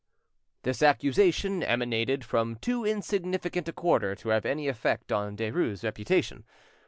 This accusation emanated from too insignificant a quarter to have any effect on Derues' reputation.